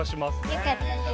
よかったです。